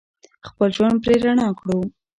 خپل ژوند پرې رڼا کړو.